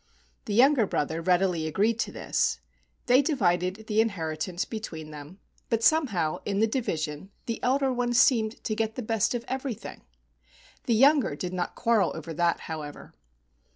The younger brother readily agreed to this. They divided the inheritance between them, 29 THE WONDERFUL RING but somehow, in the division, the elder one seemed to get the best of everything. The younger did not quarrel over that, however.